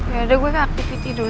ya udah gue ke aktiviti dulu ya